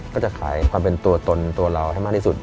ก็จะขายความเป็นตัวตนตัวเราให้มากที่สุด